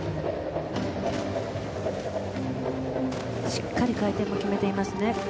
しっかり回転も決めています。